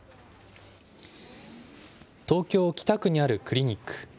東京・北区にあるクリニック。